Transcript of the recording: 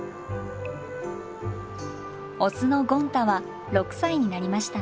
オスのゴン太は６歳になりました。